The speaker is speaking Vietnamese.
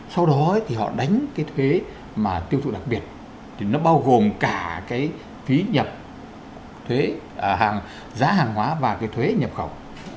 sau đó thì họ đánh cái thuế mà tiêu dụng đặc biệt thì nó bao gồm cả cái phí nhập thuế giá hàng hóa và cái thuế nhập khẩu